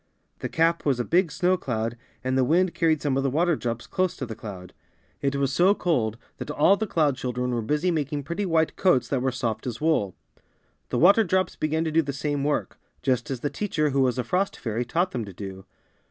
The cap was a big snow cloud and the wind carried some of the water drops close FROST FAIRIES AND THE WATER DROPS. 23 to the cloud. It was so cold that all the cloud children were busy making pretty white coats that were soft as wool. The water drops began to do the same work — just as the teacher, who was a frost fairy, taught them to do.